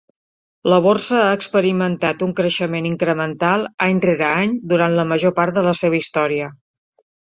La Borsa ha experimentat un creixement incremental any rere any durant la major part de la seva història.